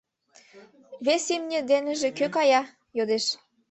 — Вес имне деныже кӧ кая? — йодеш.